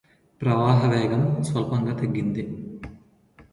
ప్రవాహ వేగం స్వల్పంగా తగ్గింది